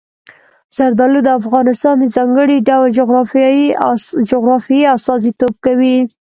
زردالو د افغانستان د ځانګړي ډول جغرافیې استازیتوب کوي.